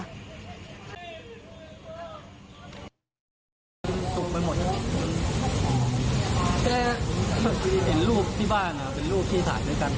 ดูไว้หมดแค่เห็นรูปที่บ้านเป็นรูปที่ถ่ายด้วยกัน